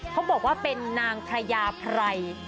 เขาบอกว่าเป็นนางพระยาไพร